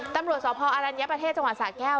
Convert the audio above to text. ตำรวจสพอรัญญประเทศจังหวัดสาแก้ว